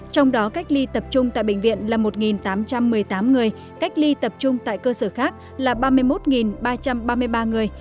trong đó cách ly tập trung tại bệnh viện là một tám trăm một mươi tám người cách ly tập trung tại cơ sở khác là ba mươi một ba trăm ba mươi ba người